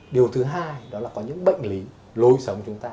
điều thứ hai đó là có những bệnh lý lối sống chúng ta